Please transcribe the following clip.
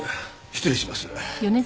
失礼します。